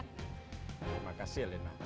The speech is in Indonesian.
terima kasih alina